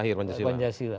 ya dilahir pancasila